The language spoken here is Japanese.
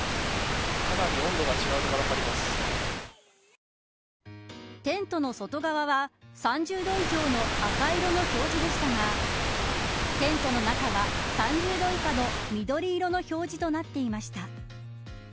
かなり温度が違うのがテントの外側は３０度以上の赤色の表示でしたがテントの中は３０度以下の緑色の表示となっていました。